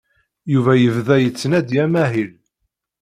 Yuba yebda yettnadi amahil.